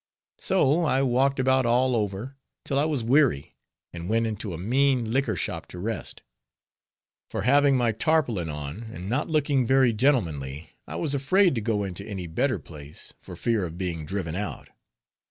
So I walked about all over, till I was weary, and went into a mean liquor shop to rest; for having my tarpaulin on, and not looking very gentlemanly, I was afraid to go into any better place, for fear of being driven out.